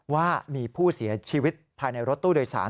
ว่ามีผู้เสียชีวิตภายในรถตู้โดยสาร